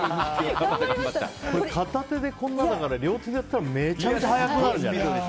片手でこんなだから両手でやったらめちゃめちゃ速くなるんじゃない？